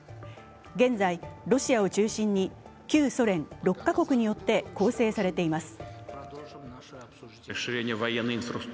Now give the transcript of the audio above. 現在、ロシアを中心に旧ソ連６カ国によって構成されています。